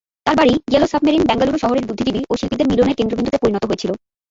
তার বাড়ি "yellow submarine" Bengaluru শহরের বুদ্ধিজীবী ও শিল্পীদের মিলনের কেন্দ্রবিন্দুতে পরিণত হয়েছিল।